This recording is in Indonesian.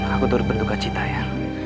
aku turut berduka cita ya